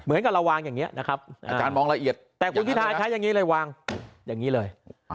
เหมือนกับเราวางอย่างนี้นะครับแต่คนที่ท้ายคล้ายอย่างนี้เลยวางอย่างนี้เลย